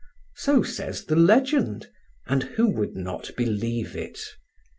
So says the legend, and who would not believe it?